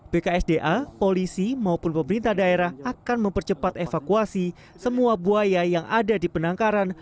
bksda polisi maupun pemerintah daerah akan mempercepat evakuasi semua buaya yang ada di penangkaran